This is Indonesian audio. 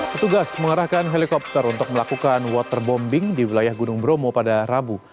petugas mengerahkan helikopter untuk melakukan waterbombing di wilayah gunung bromo pada rabu